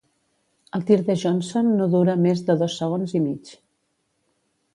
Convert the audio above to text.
El tir de Johnson no dura més de dos segons i mig.